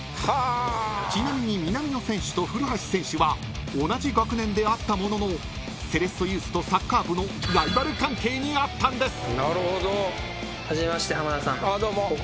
［ちなみに南野選手と古橋選手は同じ学年であったもののセレッソユースとサッカー部のライバル関係にあったんです］